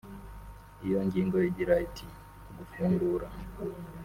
Iyo ngingo igira iti “Gufungura